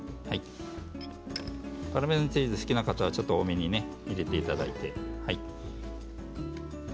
パルメザンチーズが好きな方は多めに入れていただいて。